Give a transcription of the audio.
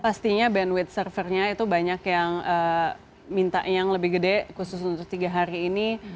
pastinya bandwidth servernya itu banyak yang minta yang lebih gede khusus untuk tiga hari ini